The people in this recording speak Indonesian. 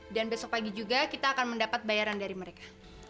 dan besok pagi juga kita akan mendapat bayaran dari mereka